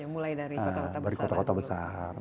mulai dari kota kota besar